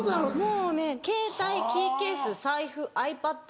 もうねケータイキーケース財布ｉＰａｄ